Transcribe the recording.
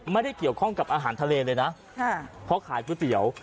ไม่ได้เกี่ยวข้องกับอาหารทะเลเลยนะเพราะขายก๋วยเตี๋ยว